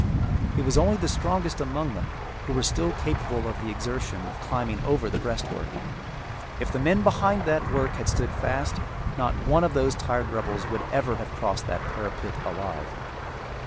It was only the strongest among them who were still capable of the exertion of climbing over the breastwork. If the men behind that work had stood fast, not one of those tired rebels would ever have crossed that parapet alive.